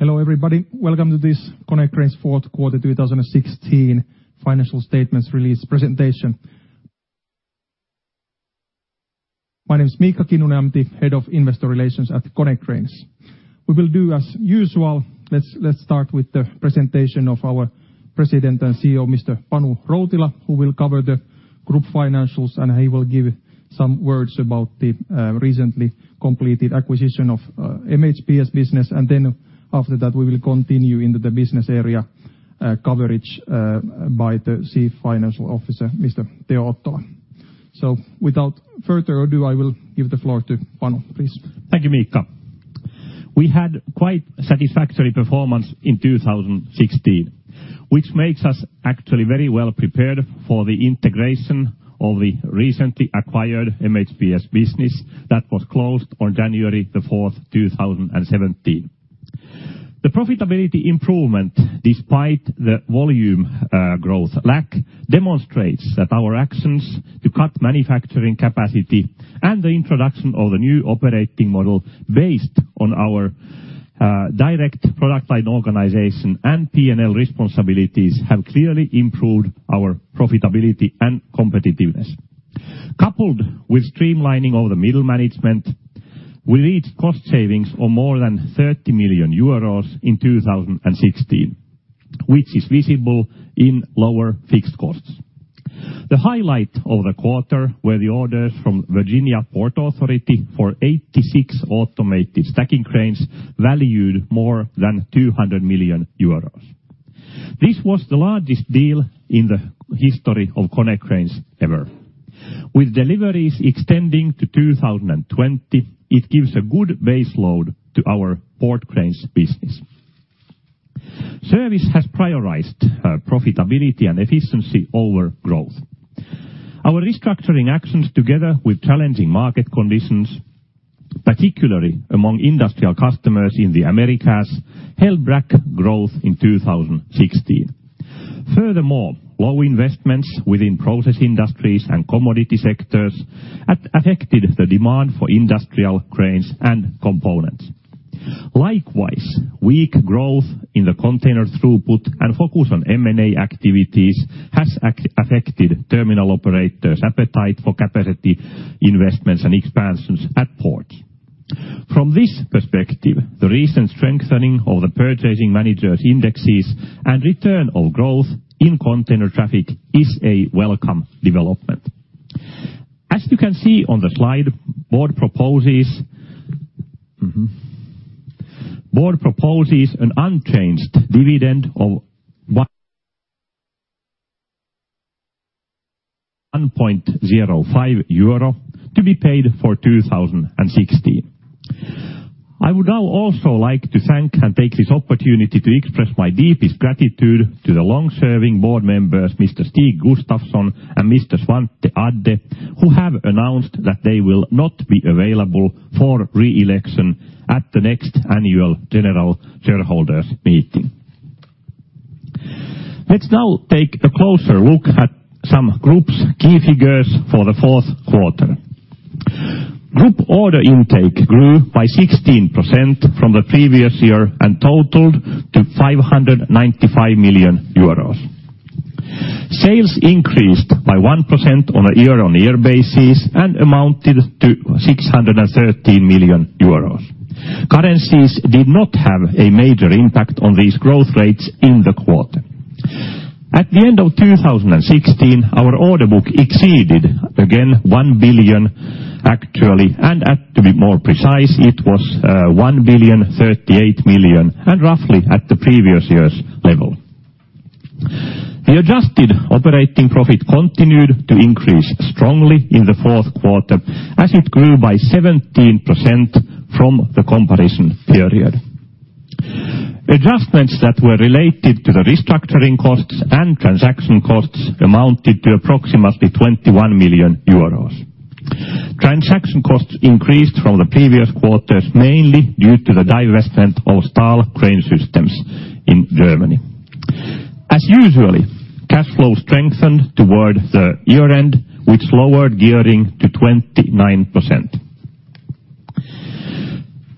Hello everybody, welcome to this Konecranes 4th Quarter 2016 Financial Statements Release Presentation. My name is Miikka Kinnunen, I'm the Head of Investor Relations at Konecranes. We will do as usual, let's start with the presentation of our President and CEO, Mr. Panu Routila, who will cover the group financials, and he will give some words about the recently completed acquisition of MHPS Business. Then after that, we will continue into the business area coverage by the Chief Financial Officer, Mr. Teo Ottola. Without further ado, I will give the floor to Panu, please. Thank you, Miikka. We had quite a satisfactory performance in 2016, which makes us actually very well prepared for the integration of the recently acquired MHPS Business that was closed on January 4, 2017. The profitability improvement, despite the volume growth lack, demonstrates that our actions to cut manufacturing capacity and the introduction of a new operating model based on our direct product line organization and P&L responsibilities have clearly improved our profitability and competitiveness. Coupled with streamlining of the middle management, we reached cost savings of more than 30 million euros in 2016, which is visible in lower fixed costs. The highlight of the quarter were the orders from Virginia Port Authority for 86 automated stacking cranes valued more than 200 million euros. This was the largest deal in the history of Konecranes ever. With deliveries extending to 2020, it gives a good baseload to our port cranes business. Service has prioritized profitability and efficiency over growth. Our restructuring actions, together with challenging market conditions, particularly among industrial customers in the Americas, held back growth in 2016. Furthermore, low investments within process industries and commodity sectors affected the demand for industrial cranes and components. Likewise, weak growth in the container throughput and focus on M&A activities has affected terminal operators' appetite for capacity investments and expansions at ports. From this perspective, the recent strengthening of the purchasing managers' indexes and return of growth in container traffic is a welcome development. As you can see on the slide, board proposes an unchanged dividend of 1.05 euro to be paid for 2016. I would now also like to thank and take this opportunity to express my deepest gratitude to the long-serving board members, Mr. Stig Gustavson and Mr. Svante Adde, who have announced that they will not be available for re-election at the next annual general shareholders' meeting. Let's now take a closer look at some group's key figures for the fourth quarter. Group order intake grew by 16% from the previous year and totaled 595 million euros. Sales increased by 1% on a year-on-year basis and amounted to 613 million euros. Currencies did not have a major impact on these growth rates in the quarter. At the end of 2016, our order book exceeded again 1 billion, actually, and to be more precise, it was 1,038 million, and roughly at the previous year's level. The adjusted operating profit continued to increase strongly in the fourth quarter, as it grew by 17% from the comparison period. Adjustments that were related to the restructuring costs and transaction costs amounted to approximately 21 million euros. Transaction costs increased from the previous quarters mainly due to the divestment of STAHL CraneSystems in Germany. As usual, cash flow strengthened toward the year-end, which lowered gearing to 29%.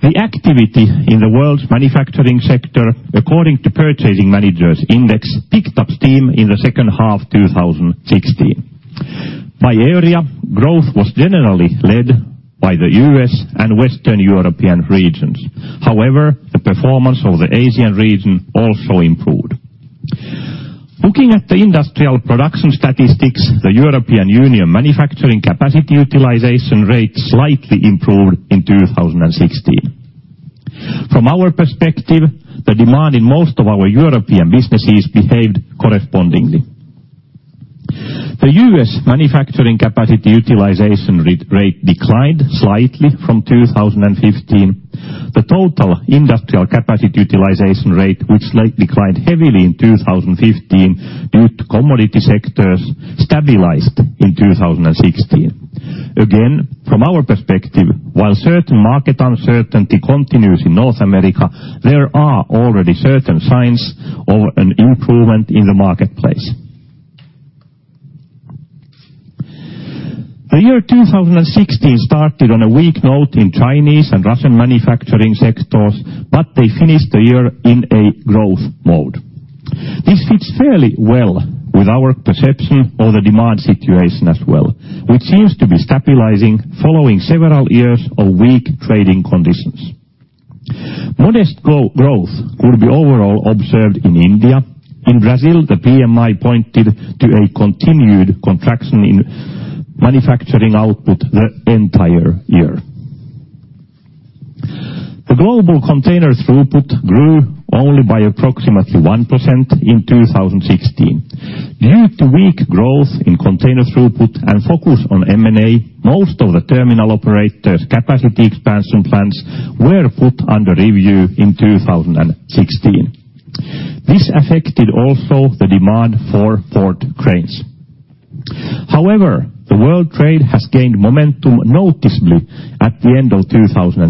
The activity in the world's manufacturing sector, according to purchasing managers' index, picked up steam in the second half of 2016. By area, growth was generally led by the U.S. and Western European regions. However, the performance of the Asian region also improved. Looking at the industrial production statistics, the European Union manufacturing capacity utilization rate slightly improved in 2016. From our perspective, the demand in most of our European businesses behaved correspondingly. The U.S. manufacturing capacity utilization rate declined slightly from 2015. The total industrial capacity utilization rate, which declined heavily in 2015 due to commodity sectors, stabilized in 2016. Again, from our perspective, while certain market uncertainty continues in North America, there are already certain signs of an improvement in the marketplace. The year 2016 started on a weak note in Chinese and Russian manufacturing sectors, but they finished the year in a growth mode. This fits fairly well with our perception of the demand situation as well, which seems to be stabilizing following several years of weak trading conditions. Modest growth could be overall observed in India. In Brazil, the PMI pointed to a continued contraction in manufacturing output the entire year. The global container throughput grew only by approximately 1% in 2016. Due to weak growth in container throughput and focus on M&A, most of the terminal operators' capacity expansion plans were put under review in 2016. This affected also the demand for port cranes. However, the world trade has gained momentum noticeably at the end of 2016,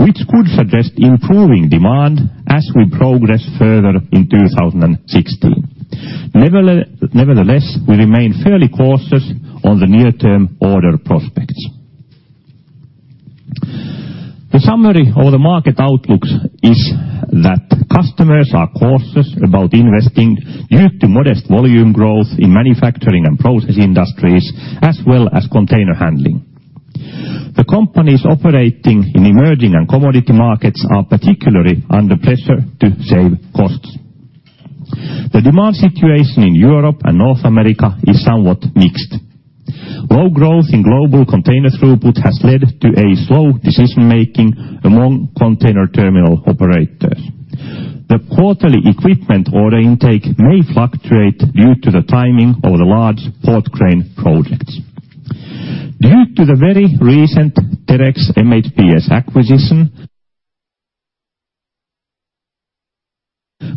which could suggest improving demand as we progress further in 2016. Nevertheless, we remain fairly cautious on the near-term order prospects. The summary of the market outlook is that customers are cautious about investing due to modest volume growth in manufacturing and process industries, as well as container handling. The companies operating in emerging and commodity markets are particularly under pressure to save costs. The demand situation in Europe and North America is somewhat mixed. Low growth in global container throughput has led to a slow decision-making among container terminal operators. The quarterly equipment order intake may fluctuate due to the timing of the large port crane projects. Due to the very recent Terex MHPS acquisition,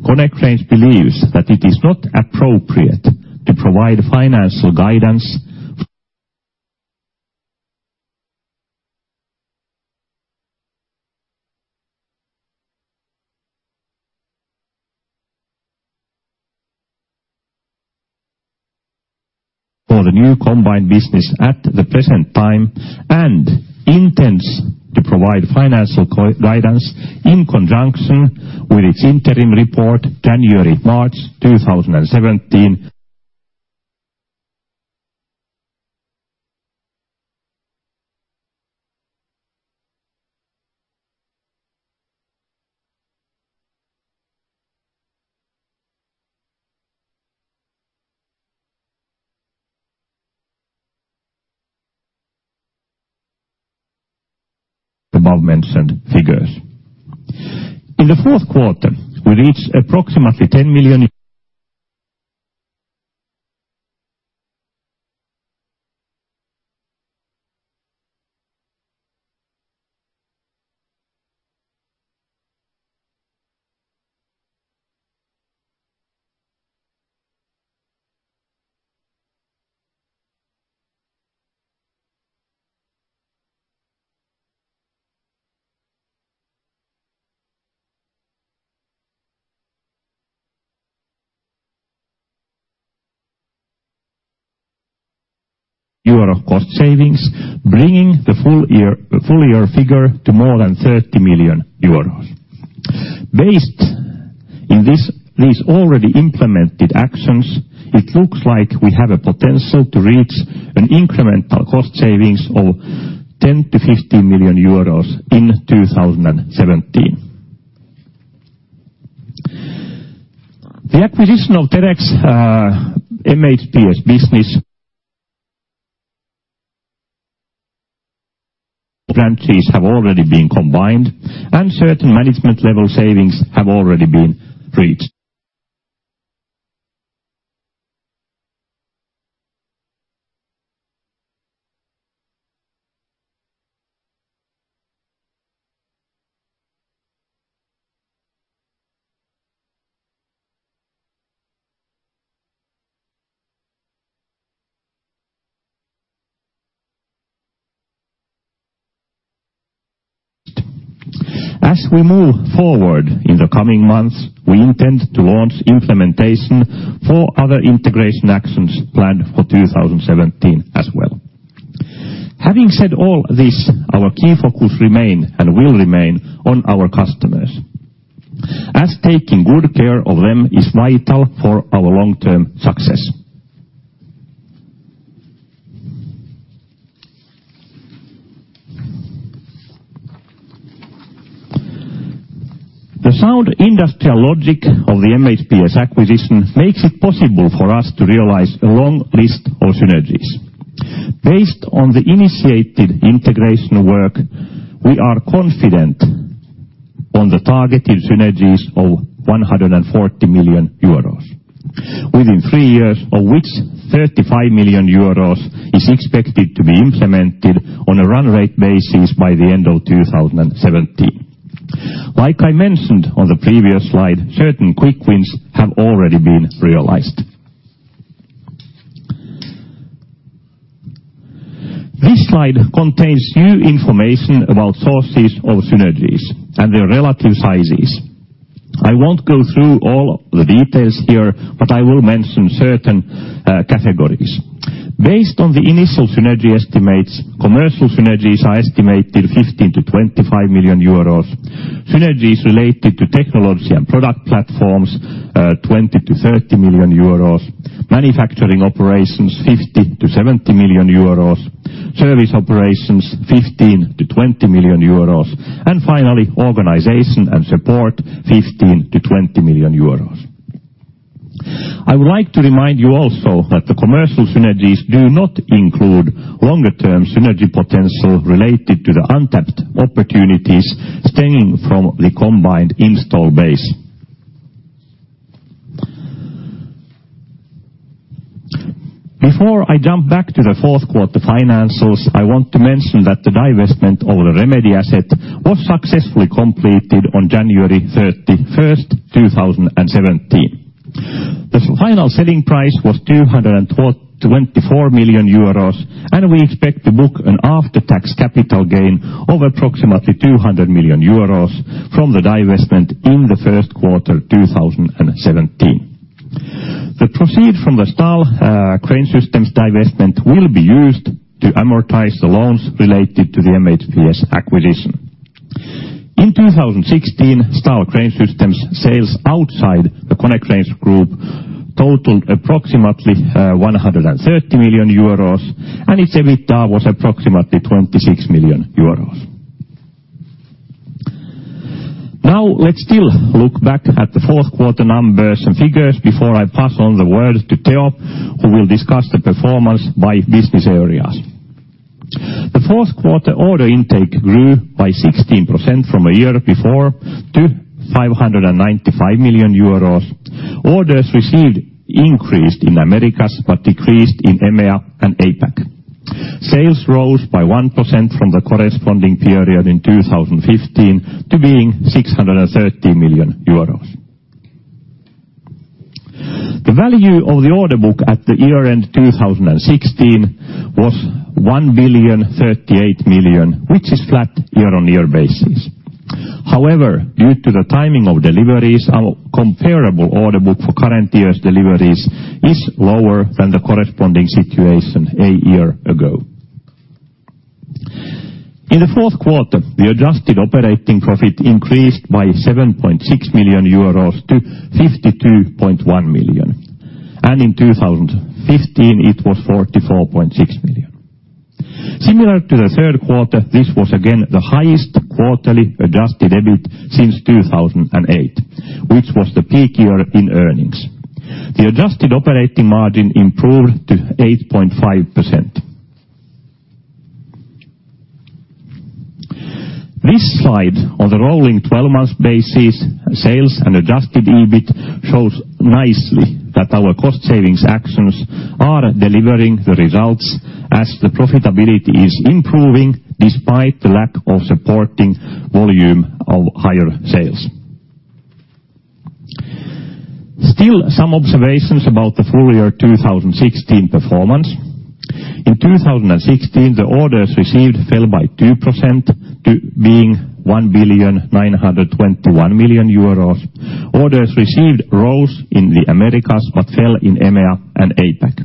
Konecranes believes that it is not appropriate to provide financial guidance for the new combined business at the present time and intends to provide financial guidance in conjunction with its interim report January-March 2017. Above-mentioned figures. In the fourth quarter, we reached approximately 10 million cost savings, bringing the full year figure to more than 30 million euros. Based on these already implemented actions, it looks like we have a potential to reach an incremental cost savings of 10 million - 15 million euros in 2017. The acquisition of Terex MHPS business branches have already been combined, and certain management level savings have already been reached. As we move forward in the coming months, we intend to launch implementation for other integration actions planned for 2017 as well. Having said all this, our key focus remains and will remain on our customers, as taking good care of them is vital for our long-term success. The sound industrial logic of the MHPS acquisition makes it possible for us to realize a long list of synergies. Based on the initiated integration work, we are confident on the targeted synergies of 140 million euros, within three years, of which 35 million euros is expected to be implemented on a run rate basis by the end of 2017. Like I mentioned on the previous slide, certain quick wins have already been realized. This slide contains new information about sources of synergies and their relative sizes. I won't go through all the details here, but I will mention certain categories. Based on the initial Synergy estimates, commercial Synergies are estimated 15 million-25 million euros, synergies related to technology and product platforms 20 million-30 million euros, manufacturing operations 50 million-70 million euros, service operations 15 million-20 million euros, and finally organization and support 15 million-20 million euros. I would like to remind you also that the commercial synergies do not include longer-term Synergy potential related to the untapped opportunities stemming from the combined install base. Before I jump back to the fourth quarter financials, I want to mention that the divestment of the remedy asset was successfully completed on January 31, 2017. The final selling price was 224 million euros, and we expect to book an after-tax capital gain of approximately 200 million euros from the divestment in the first quarter of 2017. The proceeds from the STAHL CraneSystems divestment will be used to amortize the loans related to the MHPS acquisition. In 2016, STAHL CraneSystems sales outside the Konecranes Group totaled approximately 130 million euros, and its EBITDA was approximately 26 million euros. Now, let's still look back at the fourth quarter numbers and figures before I pass on the word to Teo, who will discuss the performance by business areas. The fourth quarter order intake grew by 16% from a year before to 595 million euros. Orders received increased in Americas but decreased in EMEA and APAC. Sales rose by 1% from the corresponding period in 2015 to being 630 million euros. The value of the order book at the year-end 2016 was 1,038 million, which is flat year-on-year basis. However, due to the timing of deliveries, a comparable order book for current year's deliveries is lower than the corresponding situation a year ago. In the fourth quarter, the adjusted operating profit increased by 7.6 million euros - 52.1 million, and in 2015, it was 44.6 million. Similar to the third quarter, this was again the highest quarterly adjusted EBIT since 2008, which was the peak year in earnings. The adjusted operating margin improved to 8.5%. This slide on the rolling 12-month basis, sales and adjusted EBIT shows nicely that our cost savings actions are delivering the results as the profitability is improving despite the lack of supporting volume of higher sales. Still, some observations about the full year 2016 performance. In 2016, the orders received fell by 2% to 1,921 million euros. Orders received rose in the Americas but fell in EMEA and APAC.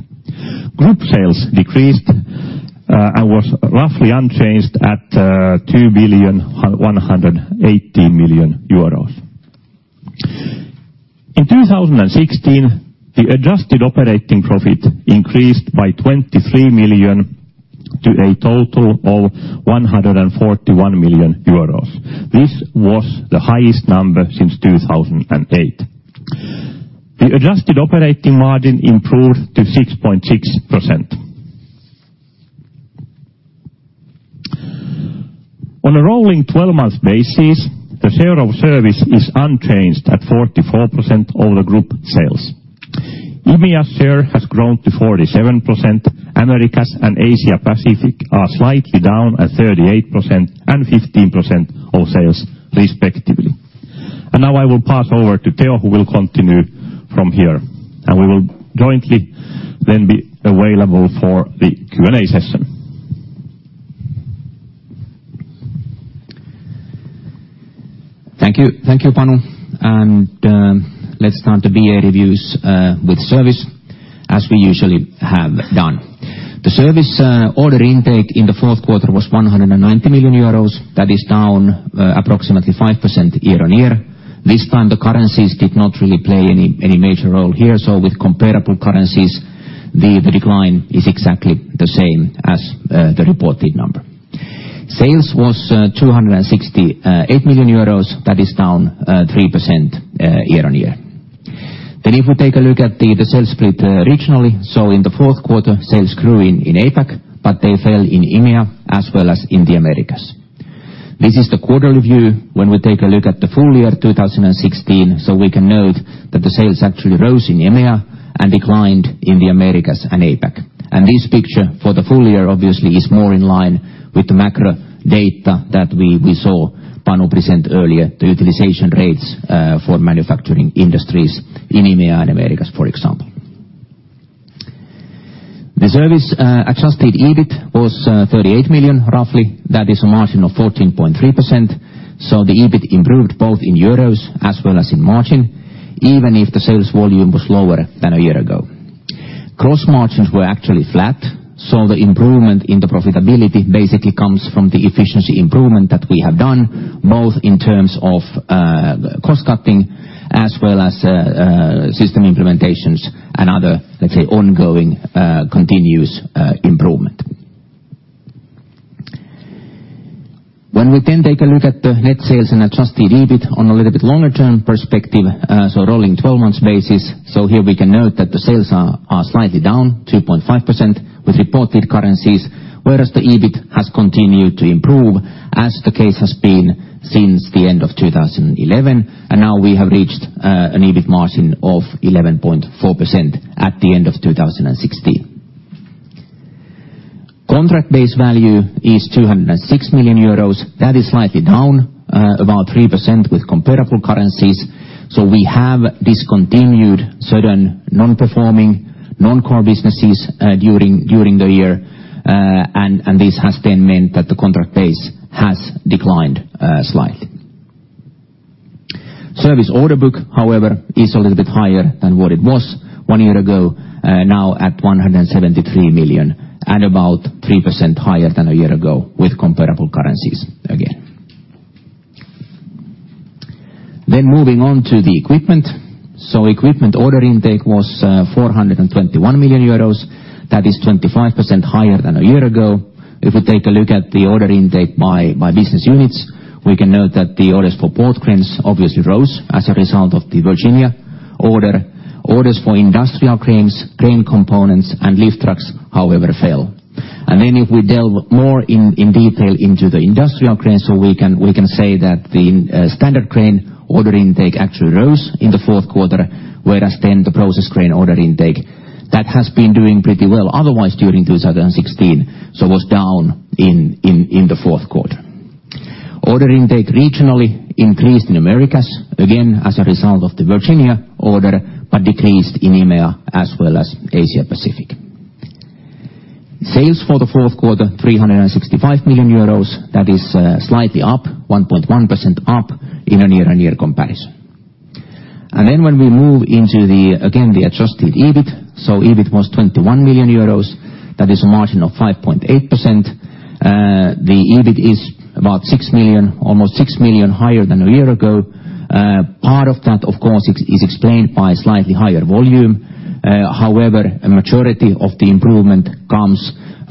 Group sales decreased and was roughly unchanged at 2.18 billion. In 2016, the adjusted operating profit increased by 23 million to a total of 141 million euros. This was the highest number since 2008. The adjusted operating margin improved to 6.6%. On a rolling 12-month basis, the share of service is unchanged at 44% of the group sales. EMEA share has grown to 47%. Americas and Asia-Pacific are slightly down at 38% and 15% of sales, respectively. And now I will pass over to Teo, who will continue from here, and we will jointly then be available for the Q&A session. Thank you, Panu. And let's turn to BA reviews with service, as we usually have done. The service order intake in the fourth quarter was 190 million euros. That is down approximately 5% year-on-year. This time, the currencies did not really play any major role here, so with comparable currencies, the decline is exactly the same as the reported number. Sales was 268 million euros. That is down 3% year-on-year. Then if we take a look at the sales split regionally, so in the fourth quarter, sales grew in APAC, but they fell in EMEA as well as in the Americas. This is the quarterly view when we take a look at the full year 2016, so we can note that the sales actually rose in EMEA and declined in the Americas and APAC. And this picture for the full year obviously is more in line with the macro data that we saw Panu present earlier, the utilization rates for manufacturing industries in EMEA and Americas, for example. The service adjusted EBIT was 38 million, roughly. That is a margin of 14.3%, so the EBIT improved both in euros as well as in margin, even if the sales volume was lower than a year ago. Gross margins were actually flat, so the improvement in the profitability basically comes from the efficiency improvement that we have done, both in terms of cost cutting as well as system implementations and other, let's say, ongoing continuous improvement. When we then take a look at the net sales and adjusted EBIT on a little bit longer-term perspective, so rolling 12-month basis, so here we can note that the sales are slightly down, 2.5% with reported currencies, whereas the EBIT has continued to improve as the case has been since the end of 2011, and now we have reached an EBIT margin of 11.4% at the end of 2016. Contract-based value is 206 million euros. That is slightly down, about 3% with comparable currencies, so we have discontinued certain non-performing non-core businesses during the year, and this has then meant that the contract base has declined slightly. Service order book, however, is a little bit higher than what it was one year ago, now at 173 million and about 3% higher than a year ago with comparable currencies again. Then moving on to the equipment, so equipment order intake was 421 million euros. That is 25% higher than a year ago. If we take a look at the order intake by business units, we can note that the orders for port cranes obviously rose as a result of the Virginia order. Orders for industrial cranes, crane components, and lift trucks, however, fell. And then if we delve more in detail into the industrial cranes, so we can say that the standard crane order intake actually rose in the fourth quarter, whereas then the process crane order intake that has been doing pretty well otherwise during 2016, so was down in the fourth quarter. Order intake regionally increased in Americas, again as a result of the Virginia order, but decreased in EMEA as well as Asia-Pacific. Sales for the fourth quarter, 365 million euros. That is slightly up, 1.1% up in a year-on-year comparison. And then when we move into the, again, the adjusted EBIT, so EBIT was 21 million euros. That is a margin of 5.8%. The EBIT is about 6 million, almost 6 million higher than a year ago. Part of that, of course, is explained by slightly higher volume. However, a majority of the improvement comes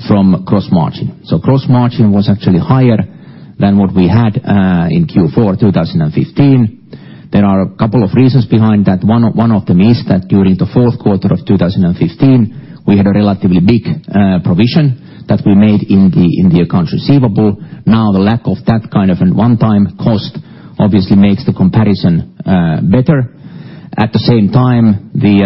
from gross margin. So gross margin was actually higher than what we had in Q4 2015. There are a couple of reasons behind that. One of them is that during the fourth quarter of 2015, we had a relatively big provision that we made in the accounts receivable. Now, the lack of that kind of one-time cost obviously makes the comparison better. At the same time, the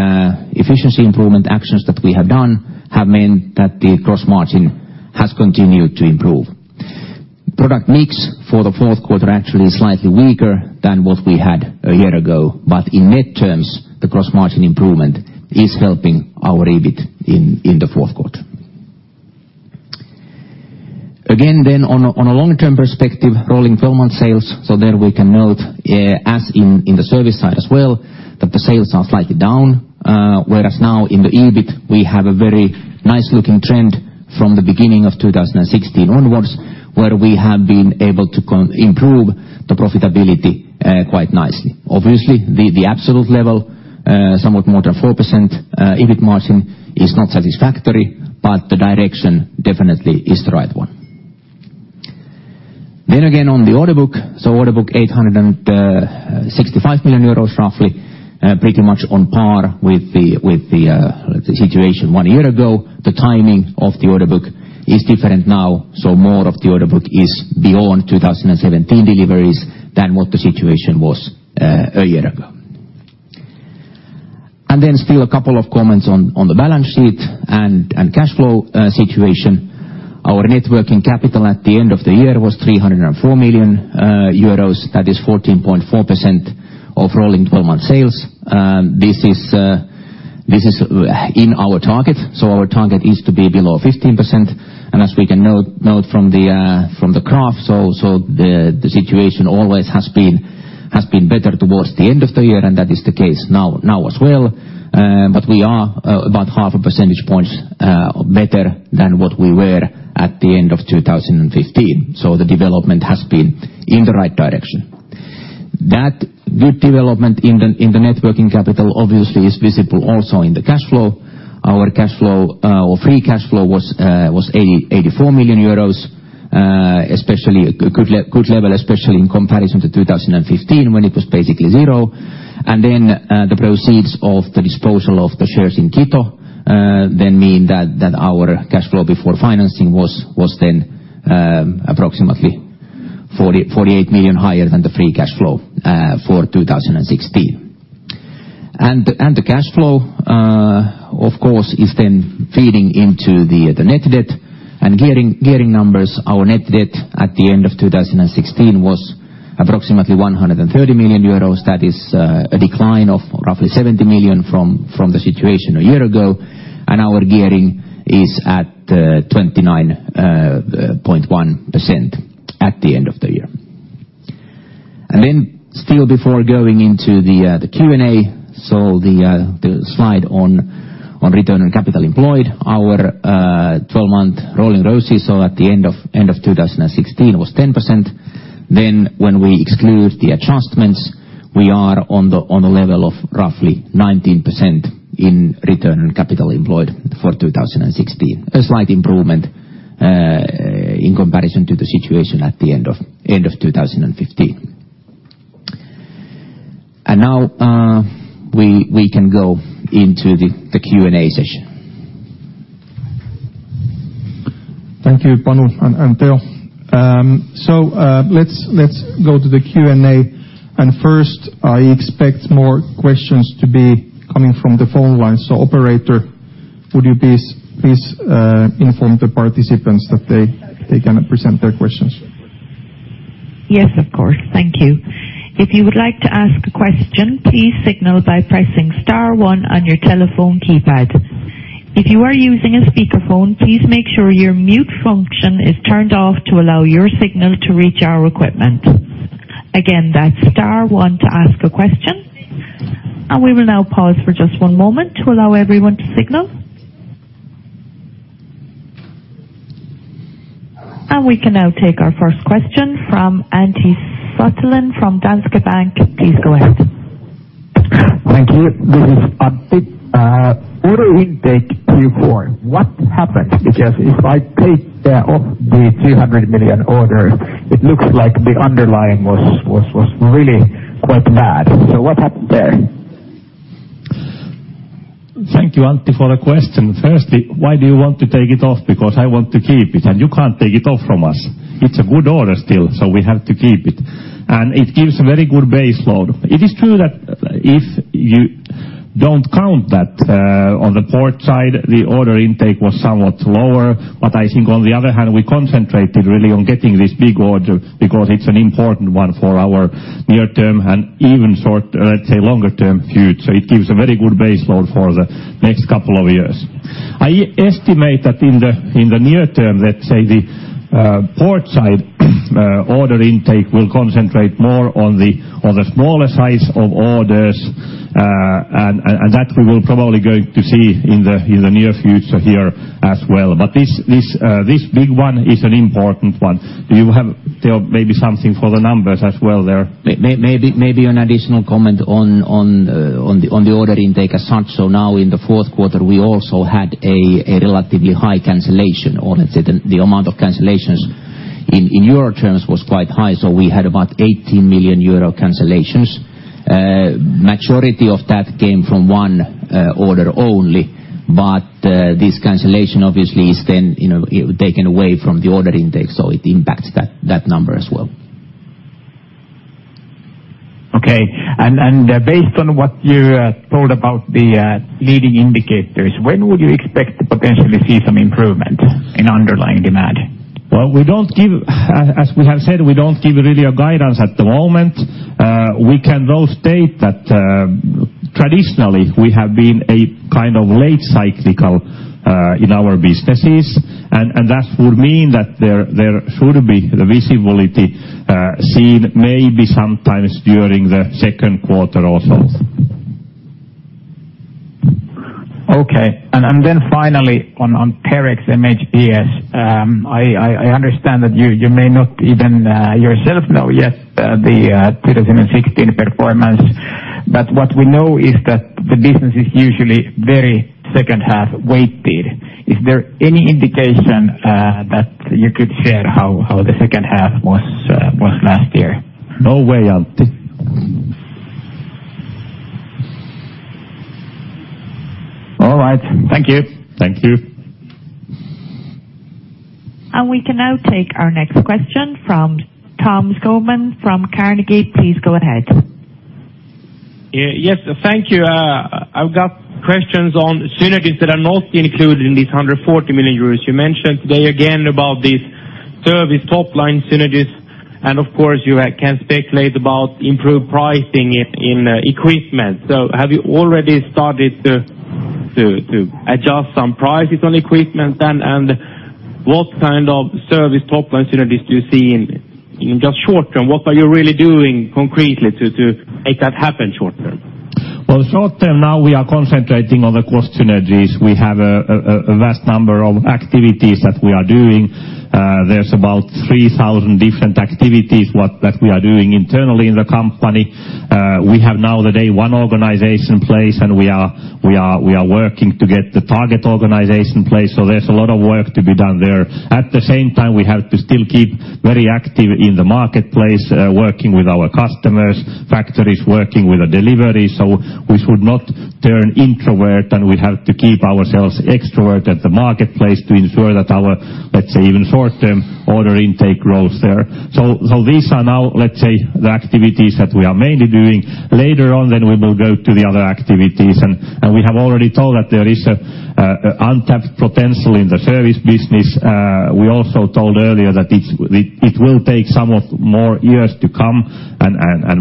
efficiency improvement actions that we have done have meant that the gross margin has continued to improve. Product mix for the fourth quarter actually is slightly weaker than what we had a year ago, but in net terms, the gross margin improvement is helping our EBIT in the fourth quarter. Again, then on a long-term perspective, rolling 12-month sales, so there we can note, as in the service side as well, that the sales are slightly down, whereas now in the EBIT we have a very nice-looking trend from the beginning of 2016 onwards, where we have been able to improve the profitability quite nicely. Obviously, the absolute level, somewhat more than 4% EBIT margin, is not satisfactory, but the direction definitely is the right one. Then again, on the order book, so order book 865 million euros, roughly, pretty much on par with the situation one year ago. The timing of the order book is different now, so more of the order book is beyond 2017 deliveries than what the situation was a year ago. And then still a couple of comments on the balance sheet and cash flow situation. Our net working capital at the end of the year was 304 million euros. That is 14.4% of rolling 12-month sales. This is in our target, so our target is to be below 15%, and as we can note from the graph, so the situation always has been better towards the end of the year, and that is the case now as well, but we are about half a percentage point better than what we were at the end of 2015, so the development has been in the right direction. That good development in the net working capital obviously is visible also in the cash flow. Our cash flow, or free cash flow, was 84 million euros, a good level, especially in comparison to 2015 when it was basically zero. Then the proceeds of the disposal of the shares in Kito then mean that our cash flow before financing was then approximately 48 million higher than the free cash flow for 2016. The cash flow, of course, is then feeding into the net debt and gearing numbers. Our net debt at the end of 2016 was approximately 130 million euros. That is a decline of roughly 70 million from the situation a year ago, and our gearing is at 29.1% at the end of the year. Then still before going into the Q&A, so the slide on return on capital employed, our 12-month rolling ROCE, so at the end of 2016, was 10%. Then when we exclude the adjustments, we are on the level of roughly 19% in return on capital employed for 2016, a slight improvement in comparison to the situation at the end of 2015. Now we can go into the Q&A session. Thank you, Panu and Teo. Let's go to the Q&A, and first I expect more questions to be coming from the phone line. Operator, would you please inform the participants that they can present their questions? Yes, of course. Thank you. If you would like to ask a question, please signal by pressing star one on your telephone keypad. If you are using a speakerphone, please make sure your mute function is turned off to allow your signal to reach our equipment. Again, that's star one to ask a question, and we will now pause for just one moment to allow everyone to signal. We can now take our first question from Antti Kansanen from Danske Bank. Please go ahead. Thank you. This is Antti. Order intake Q4. What happened? Because if I take off the 300 million order, it looks like the underlying was really quite bad. So what happened there? Thank you, Antti, for the question. Firstly, why do you want to take it off? Because I want to keep it, and you can't take it off from us. It's a good order still, so we have to keep it. And it gives a very good base load. It is true that if you don't count that on the port side, the order intake was somewhat lower, but I think on the other hand, we concentrated really on getting this big order because it's an important one for our near-term and even short, let's say, longer-term future. So it gives a very good base load for the next couple of years. I estimate that in the near term, let's say, the port side order intake will concentrate more on the smaller size of orders, and that we will probably going to see in the near future here as well. But this big one is an important one. Do you have, Teo, maybe something for the numbers as well there? Maybe an additional comment on the order intake as such. So now in the fourth quarter, we also had a relatively high cancellation. The amount of cancellations in euro terms was quite high, so we had about 18 million euro cancellations. Majority of that came from one order only, but this cancellation obviously is then taken away from the order intake, so it impacts that number as well. Okay. And based on what you told about the leading indicators, when would you expect to potentially see some improvement in underlying demand? Well, as we have said, we don't give really a guidance at the moment. We can though state that traditionally we have been a kind of late cyclical in our businesses, and that would mean that there should be the visibility seen maybe sometimes during the second quarter or so. Okay. And then finally on Terex MHPS, I understand that you may not even yourself know yet the 2016 performance, but what we know is that the business is usually very second half weighted. Is there any indication that you could share how the second half was last year? No way, Antti. All right. Thank you. Thank you. And we can now take our next question from Tom Skogman from Carnegie. Please go ahead. Yes, thank you. I've got questions on synergies that are not included in these 140 million euros. You mentioned today again about these service top-line synergies, and of course you can speculate about improved pricing in equipment. So have you already started to adjust some prices on equipment, and what kind of service top-line synergies do you see in just short term? What are you really doing concretely to make that happen short term? Well, short term now we are concentrating on the cost synergies. We have a vast number of activities that we are doing. There's about 3,000 different activities that we are doing internally in the company. We have now today one organization in place, and we are working to get the target organization in place, so there's a lot of work to be done there. At the same time, we have to still keep very active in the marketplace, working with our customers, factories working with the delivery, so we should not turn introvert and we have to keep ourselves extroverted at the marketplace to ensure that our, let's say, even short-term order intake grows there. So these are now, let's say, the activities that we are mainly doing. Later on, then we will go to the other activities, and we have already told that there is untapped potential in the service business. We also told earlier that it will take some more years to come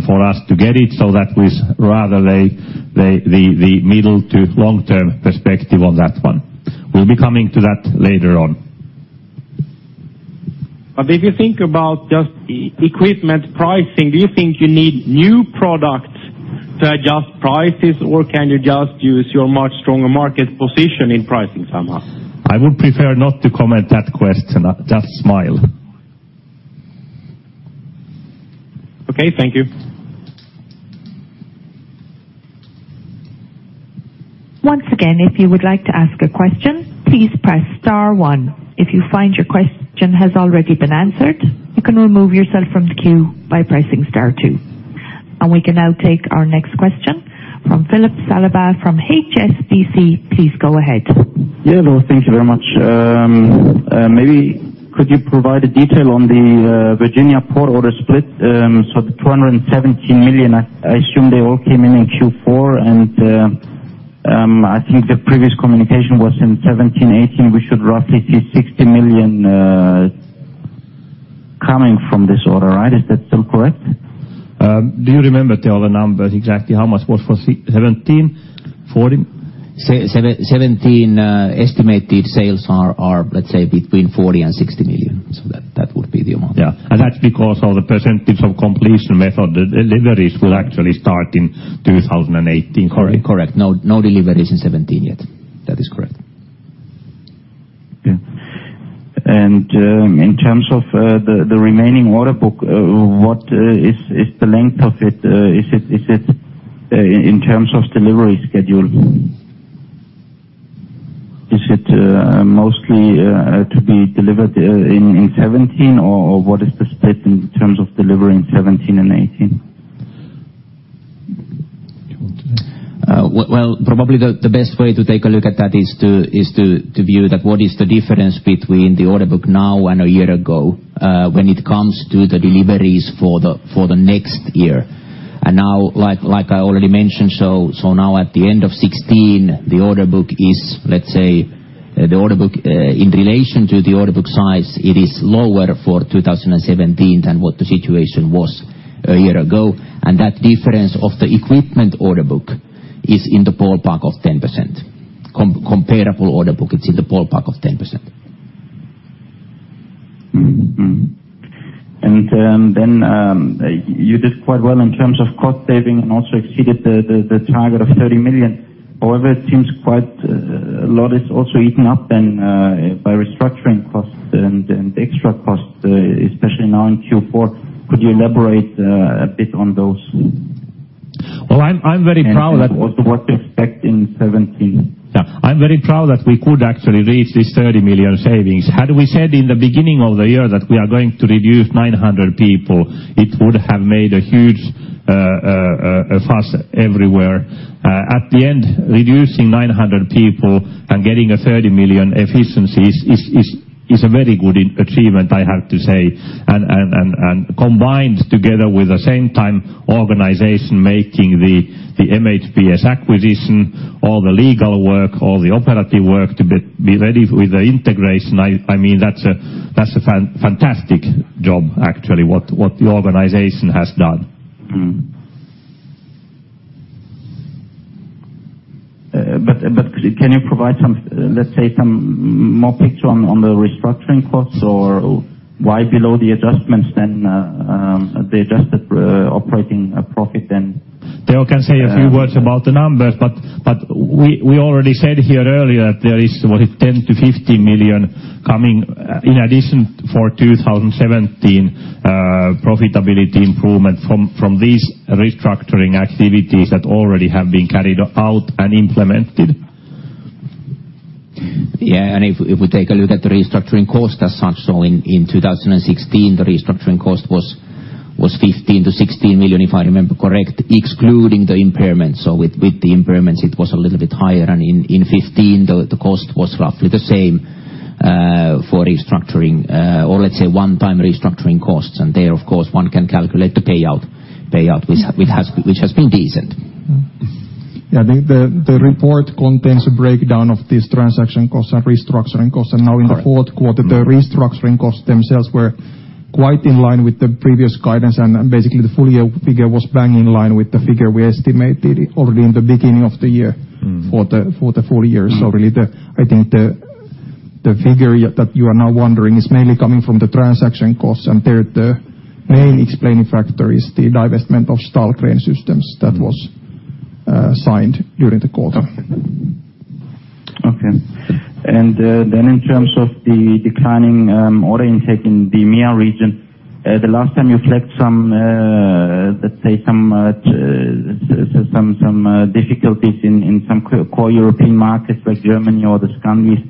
for us to get it, so that we rather lay the middle to long-term perspective on that one. We'll be coming to that later on. But if you think about just equipment pricing, do you think you need new products to adjust prices, or can you just use your much stronger market position in pricing somehow? I would prefer not to comment that question. Just smile. Okay. Thank you. Once again, if you would like to ask a question, please press star one. If you find your question has already been answered, you can remove yourself from the queue by pressing star two. We can now take our next question from Philippe Salaberry from HSBC. Please go ahead. Yeah, no, thank you very much. Maybe could you provide a detail on the Virginia port order split? So the 217 million, I assume they all came in in Q4, and I think the previous communication was in 2017, 2018. We should roughly see 60 million coming from this order, right? Is that still correct? Do you remember, Teo, the numbers exactly how much was for 2017? 2017 estimated sales are, let's say, between 40 million - 60 million. So that would be the amount. Yeah. And that's because of the percentage of completion method. The deliveries will actually start in 2018, correct? Correct. No deliveries in 2017 yet. That is correct. Okay. And in terms of the remaining order book, what is the length of it? Is it in terms of delivery schedule? Is it mostly to be delivered in 2017, or what is the split in terms of delivery in 2017 and 2018? Well, probably the best way to take a look at that is to view that what is the difference between the order book now and a year ago when it comes to the deliveries for the next year. And now, like I already mentioned, so now at the end of 2016, the order book is, let's say, the order book in relation to the order book size, it is lower for 2017 than what the situation was a year ago. And that difference of the equipment order book is in the ballpark of 10%. Comparable order book, it's in the ballpark of 10%. And then you did quite well in terms of cost saving and also exceeded the target of 30 million. However, it seems quite a lot is also eaten up then by restructuring costs and extra costs, especially now in Q4. Could you elaborate a bit on those? Well, I'm very proud that what to expect in 2017. I'm very proud that we could actually reach these 30 million savings. Had we said in the beginning of the year that we are going to reduce 900 people, it would have made a huge fuss everywhere. At the end, reducing 900 people and getting a 30 million efficiency is a very good achievement, I have to say. And combined together with the same time organization making the MHPS acquisition, all the legal work, all the operative work to be ready with the integration, I mean, that's a fantastic job actually what the organization has done. But can you provide, let's say, some more picture on the restructuring costs or why below the adjustments then the adjusted operating profit then? Teo can say a few words about the numbers, but we already said here earlier that there is 10 million-15 million coming in addition for 2017 profitability improvement from these restructuring activities that already have been carried out and implemented. Yeah. If we take a look at the restructuring cost as such, so in 2016, the restructuring cost was 15 million-16 million, if I remember correct, excluding the impairments. So with the impairments, it was a little bit higher, and in 2015, the cost was roughly the same for restructuring or, let's say, one-time restructuring costs. There, of course, one can calculate the payout, which has been decent. Yeah. The report contains a breakdown of these transaction costs and restructuring costs. Now in the fourth quarter, the restructuring costs themselves were quite in line with the previous guidance, and basically the full year figure was bang in line with the figure we estimated already in the beginning of the year for the full year. So really, I think the figure that you are now wondering is mainly coming from the transaction costs, and the main explaining factor is the divestment of STAHL CraneSystems that was signed during the quarter. Okay. And then in terms of the declining order intake in the EMEA region, the last time you flagged some, let's say, some difficulties in some core European markets like Germany or Scandinavia,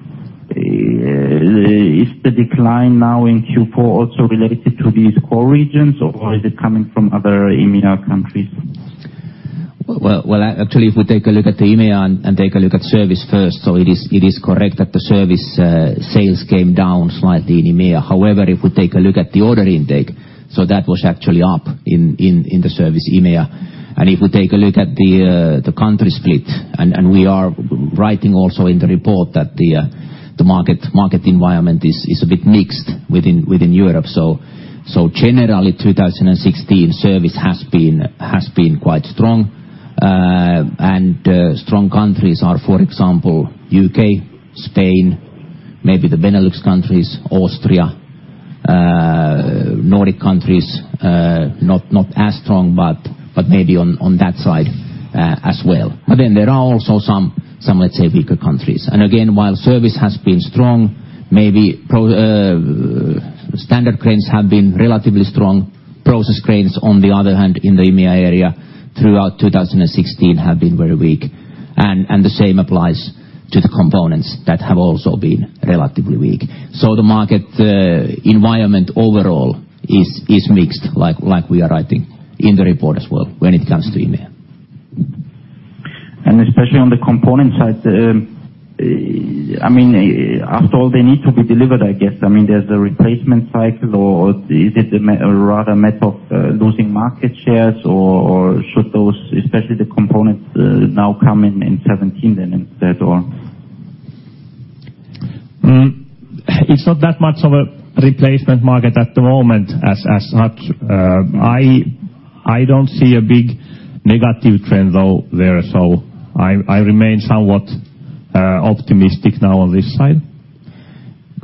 is the decline now in Q4 also related to these core regions, or is it coming from other EMEA countries? Well, actually, if we take a look at the EMEA and take a look at service first, so it is correct that the service sales came down slightly in EMEA. However, if we take a look at the order intake, so that was actually up in the service EMEA. If we take a look at the country split, and we are writing also in the report that the market environment is a bit mixed within Europe. Generally, 2016 service has been quite strong, and strong countries are, for example, U.K., Spain, maybe the Benelux countries, Austria, Nordic countries, not as strong, but maybe on that side as well. Then there are also some, let's say, weaker countries. Again, while service has been strong, maybe standard cranes have been relatively strong. Process cranes, on the other hand, in the EMEA area throughout 2016 have been very weak. The same applies to the components that have also been relatively weak. The market environment overall is mixed, like we are writing in the report as well when it comes to EMEA. And especially on the component side, I mean, after all, they need to be delivered, I guess. I mean, there's a replacement cycle, or is it rather a method of losing market shares, or should those, especially the components, now come in 2017 then instead, or? It's not that much of a replacement market at the moment as such. I don't see a big negative trend, though, there, so I remain somewhat optimistic now on this side.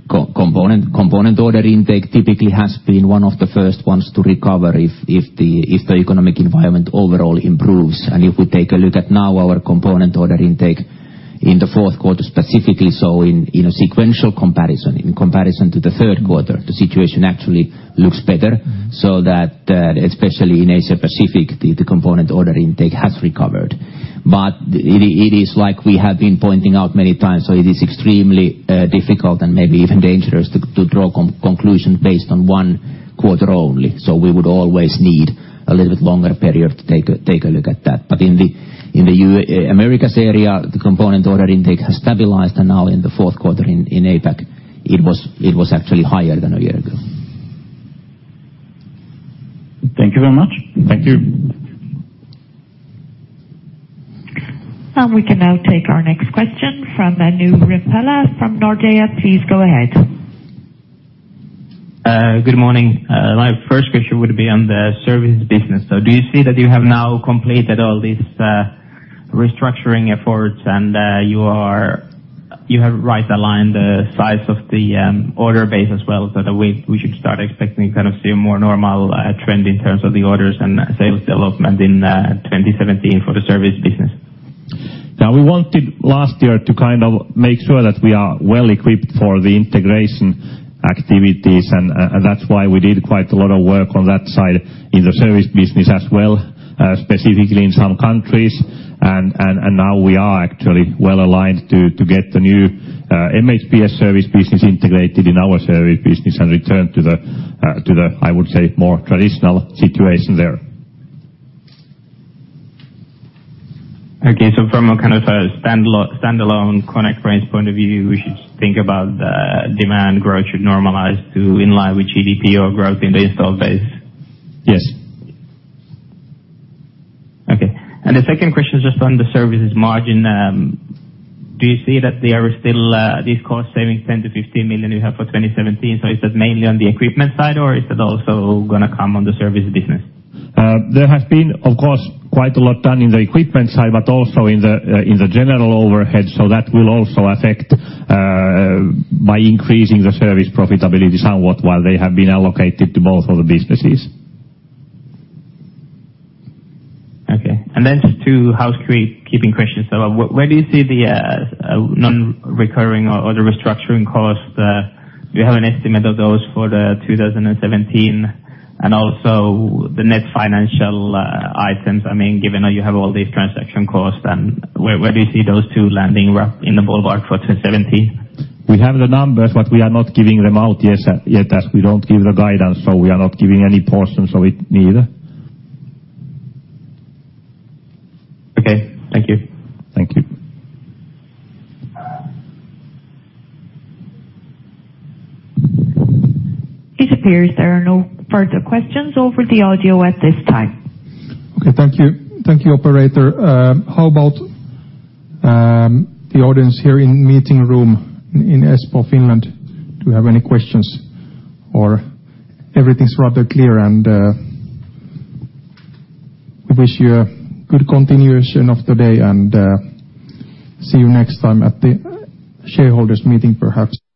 Component order intake typically has been one of the first ones to recover if the economic environment overall improves. And if we take a look at now our component order intake in the fourth quarter specifically, so in a sequential comparison, in comparison to the third quarter, the situation actually looks better. So that, especially in Asia-Pacific, the component order intake has recovered. But it is like we have been pointing out many times, so it is extremely difficult and maybe even dangerous to draw conclusions based on one quarter only. So we would always need a little bit longer period to take a look at that. But in the Americas area, the component order intake has stabilized, and now in the fourth quarter in APAC, it was actually higher than a year ago. Thank you very much. Thank you. And we can now take our next question from Manu Rimpelä from Nordea. Please go ahead. Good morning. My first question would be on the service business. So do you see that you have now completed all these restructuring efforts, and you have right aligned the size of the order base as well, so that we should start expecting kind of see a more normal trend in terms of the orders and sales development in 2017 for the service business? Now, we wanted last year to kind of make sure that we are well equipped for the integration activities, and that's why we did quite a lot of work on that side in the service business as well, specifically in some countries. And now we are actually well aligned to get the new MHPS service business integrated in our service business and return to the, I would say, more traditional situation there. Okay. So from a kind of standalone Konecranes point of view, we should think about the demand growth should normalize to in line with GDP or growth in the installed base? Yes. Okay. And the second question is just on the services margin. Do you see that there are still these cost savings, 10 million-15 million you have for 2017? So is that mainly on the equipment side, or is that also going to come on the service business? There has been, of course, quite a lot done in the equipment side, but also in the general overhead, so that will also affect by increasing the service profitability somewhat while they have been allocated to both of the businesses. Okay. And then just two housekeeping questions. So where do you see the non-recurring or the restructuring cost? Do you have an estimate of those for the 2017 and also the net financial items? I mean, given that you have all these transaction costs, then where do you see those two landing in the ballpark for 2017? We have the numbers, but we are not giving them out yet as we don't give the guidance, so we are not giving any portion of it neither. Okay. Thank you. Thank you. It appears there are no further questions over the audio at this time. Okay. Thank you. Thank you, Operator. How about the audience here in meeting room in Espoo, Finland? Do you have any questions? Or everything's rather clear, and we wish you a good continuation of the day, and see you next time at the shareholders meeting, perhaps.